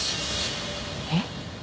えっ？